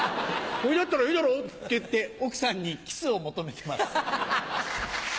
「これだったらいいだろ？」って言って奥さんにキスを求めてます。